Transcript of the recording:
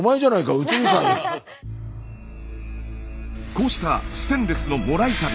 こうしたステンレスのもらいサビ。